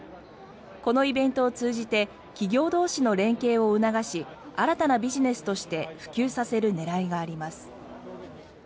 このイベントを通じて企業同士の連携を促し新たなビジネスとして普及させる狙いがあります。